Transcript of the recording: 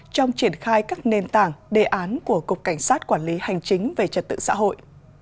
trong triển khai các nền tảng đề án của cục cảnh sát quản lý hành chính về trật tự xã hội